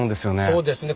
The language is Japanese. そうですね。